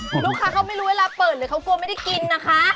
คุณลูกค้าเขาไม่รู้เวลาเปิดหรือเขากลัวไม่ได้กินนะคะ